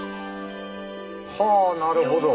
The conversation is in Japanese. はあなるほど。